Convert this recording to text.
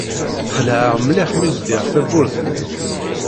Xelɛeɣ mliḥ mi ldiɣ tawwurt-nni!